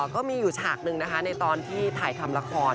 ก็มีอยู่ฉากหนึ่งนะคะในตอนที่ถ่ายทำละคร